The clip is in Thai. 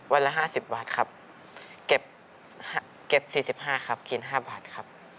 ละ๕๐บาทครับเก็บ๔๕ครับกิน๕บาทครับ